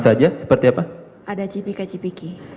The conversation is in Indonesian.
saja seperti apa ada cipika cipiki